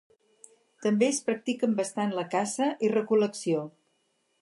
També es practiquen bastant la caça i recol·lecció.